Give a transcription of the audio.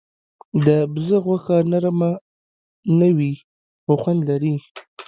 د بزه غوښه نرم نه وي، خو خوند لري.